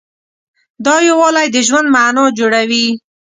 دا یووالی د ژوند معنی جوړوي.